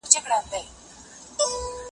ولې تعلیم کیفیت غواړي؟